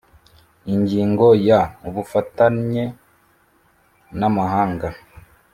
ingingo ya ubufatanye n amahanga